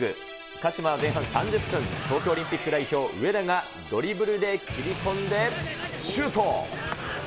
鹿島は前半３０分、東京オリンピック代表、上田がドリブルで切り込んでシュート。